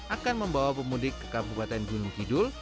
akan membawa pemudik ke kabupaten gunung kidul